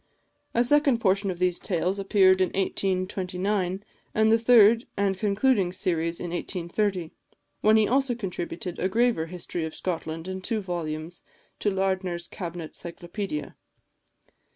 A second portion of these tales appeared in 1829, and the third and concluding series in 1830, when he also contributed a graver History of Scotland in two volumes to Lardner's Cabinet Cyclopædia.